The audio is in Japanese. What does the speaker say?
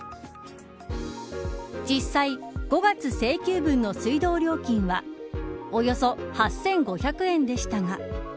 実際、５月請求分の水道料金はおよそ８５００円でしたが。